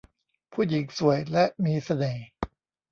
ผู้หญิงสวยและมีเสน่ห์